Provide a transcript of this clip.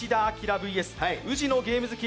ＶＳ、宇治のゲーム好き